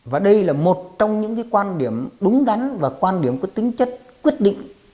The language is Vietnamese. và đây là một trong những quan điểm đúng đắn và quan điểm có tính chất quyết định